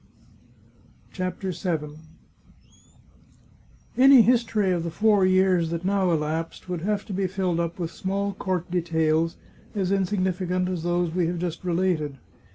CHAPTER VII Any history of the four years that now elapsed would have to be filled up with small court details, as insignificant as those we have just related.